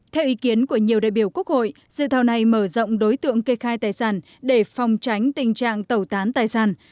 theo ý kiến của nhiều đại biểu quốc hội dự thao này mở rộng đối tượng kê khai tài sản để phòng tránh tình trạng tẩu tán tài sản